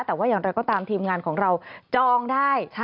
แต่ว่าอย่างไรก็ตามทีมงานของเราจองได้